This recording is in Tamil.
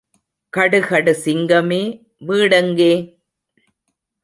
கடுகடு சிங்கமே, வீடெங்கே?